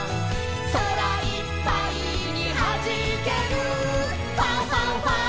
「そらいっぱいにはじける」「ファンファンファン！